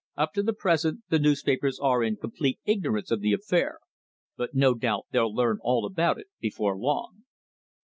"Up to the present the newspapers are in complete ignorance of the affair. But no doubt they'll learn all about it before long."